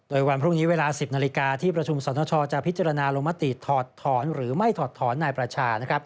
โดยวันพรุ่งนี้เวลา๑๐นาฬิกาที่ประชุมสรณชอจะพิจารณาลงมติถอดถอนหรือไม่ถอดถอนนายประชา